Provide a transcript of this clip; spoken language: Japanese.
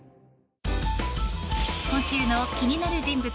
今週の気になる人物